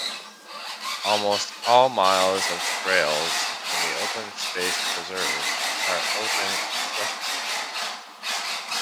Almost all miles of trails in the Open Space Preserve are open equestrians.